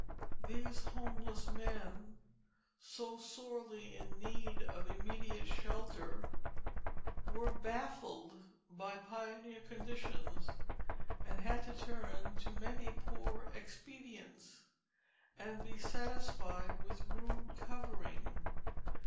These homeless men, so sorely in need of immediate shelter, were baffled by pioneer conditions, and had to turn to many poor expedients, and be satisfied with rude covering.